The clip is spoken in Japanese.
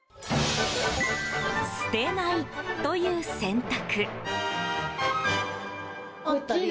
捨てないという選択。